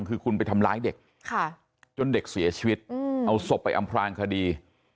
คือคุณไปทำร้ายเด็กจนเด็กเสียชีวิตเอาศพไปอำพลางคดี